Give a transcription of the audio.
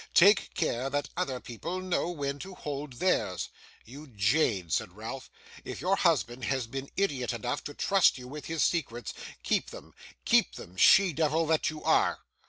'Take care that other people know when to hold theirs.' 'You jade,' said Ralph, 'if your husband has been idiot enough to trust you with his secrets, keep them; keep them, she devil that you are!